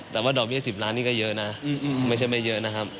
แต่ว่าดอกเบี้๑๐ล้านนี่ก็เยอะนะไม่ใช่ไม่เยอะนะครับ